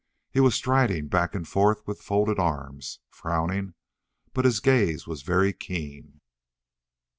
He was striding back and forth with folded arms, frowning, but his gaze was very keen.